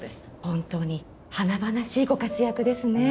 本当に華々しいご活躍ですね。